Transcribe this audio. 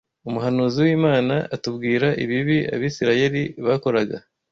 umuhanuzi w’Imana atubwira ibibi Abisirayeli bakoraga